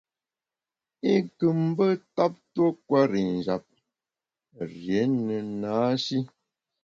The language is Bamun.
I nkù mbe ntap tuo kwer i njap, rié ne na-shi.